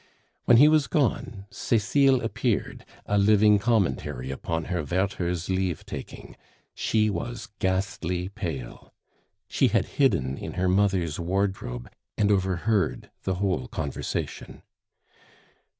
When he was gone, Cecile appeared, a living commentary upon her Werther's leave taking; she was ghastly pale. She had hidden in her mother's wardrobe and overheard the whole conversation.